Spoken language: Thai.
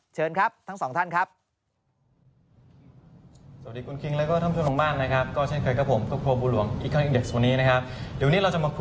เชิญครับทั้งสองท่านครับ